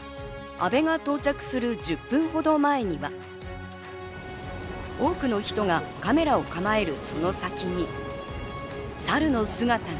阿部が到着する１０分ほど前には多くの人がカメラを構えるその先にサルの姿が。